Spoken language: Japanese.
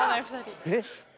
えっ。